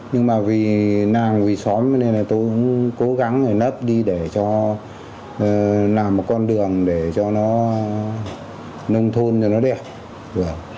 nhưng mà vì nàng vì xóm nên là tôi cũng cố gắng để lấp đi để cho làm một con đường để cho nó nông thôn cho nó đẹp